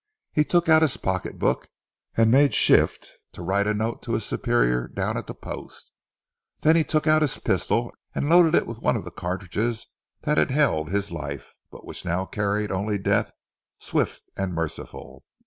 He took out his pocket book, and made shift to write a note to his superior down at the Post. Then he took out his pistol, and loaded it with one of the cartridges that had held his life, but which now carried only death, swift and merciful.